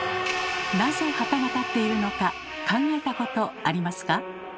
なぜ旗が立っているのか考えたことありますか？